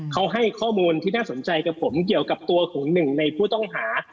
เขาให้ข้อมูลที่น่าสนใจกับผมเกี่ยวกับตัวของหนึ่งในผู้ต้องหา